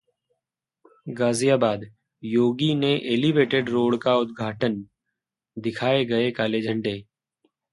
गाजियाबाद: योगी ने elevated road का उद्घाटन, दिखाए गए काले झंडे